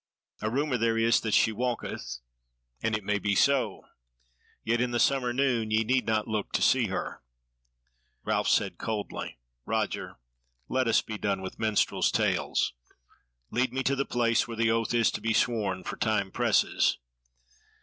A rumour there is that she walketh, and it may be so; yet in the summer noon ye need not look to see her." Ralph said coldly: "Roger, let us be done with minstrels' tales; lead me to the place where the oath is to be sworn, for time presses."